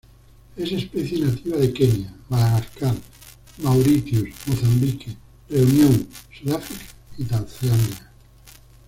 Es especie nativa de Kenia; Madagascar; Mauritius; Mozambique; Reunión; Sudáfrica y Tanzania.